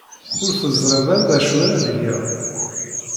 Ur teẓrid ara d acu ara tged.